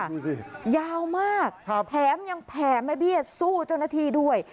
ดูสิยาวมากแถมยังแผ่แม่เบี้ยสู้เจ้าหน้าที่ด้วย